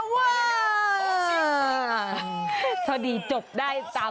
กำลังทำพิธีเปิดลุงโลชช่วงชัดชะวัน